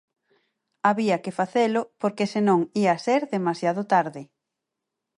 Había que facelo porque senón ía ser demasiado tarde.